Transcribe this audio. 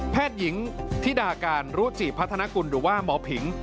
แพทย์หญิงที่ด่าการรู้จีบพัฒนากุลหรือว่าหมอผิง